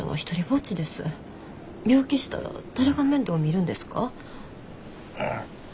病気したら誰が面倒見るんですか？